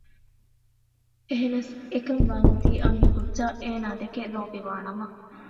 އެހެނަސް އެކަންވާން އޮތީ އަންހެން ކުއްޖާ އޭނާދެކެ ލޯބިވާ ނަމަ